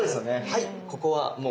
はいここはもう。